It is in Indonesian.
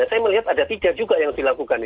saya melihat ada tiga juga yang dilakukan